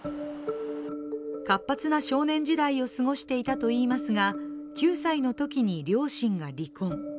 活発な少年時代を過ごしていたといいますが９歳のときに両親が離婚。